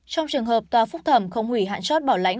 trong trường hợp tòa phúc thẩm không hủy hạn chót bảo lãnh